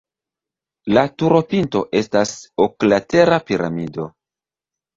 La turopinto estas oklatera piramido.